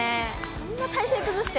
こんな体勢崩して。